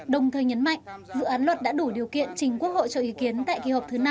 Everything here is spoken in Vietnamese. đồng thời nhấn mạnh dự án luật đã đủ điều kiện trình quốc hội cho ý kiến tại kỳ họp thứ năm